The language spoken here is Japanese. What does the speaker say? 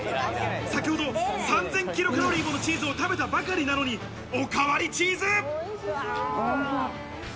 先ほど３０００ｋｃａｌもチーズを食べたばかりなのに、おかわりチーズ！